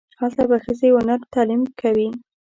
هلته به ښځې و نر تعلیم کوي.